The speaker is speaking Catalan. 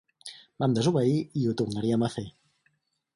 Vam desobeir i ho tornaríem a fer.